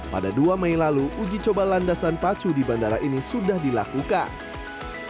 pada dua mei lalu uji coba landasan pacu di bandara ini sudah dilakukan